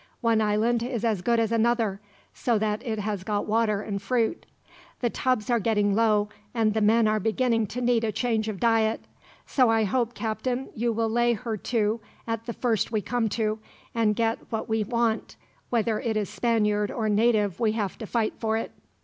"One island is as good as another, so that it has got water and fruit. The tubs are getting low, and the men are beginning to need a change of diet; so I hope, Captain, you will lay her to at the first we come to, and get what we want, whether it is Spaniard or native we have to fight for it."